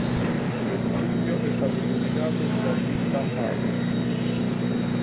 Lo studio è stato pubblicato sulla rivista "Heart".